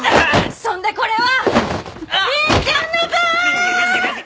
そんでこれは凛ちゃんの分！